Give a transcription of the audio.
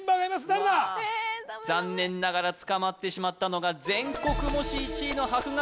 誰だ残念ながら捕まってしまったのが全国模試１位の博学